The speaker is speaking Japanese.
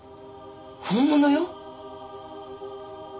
本物よ。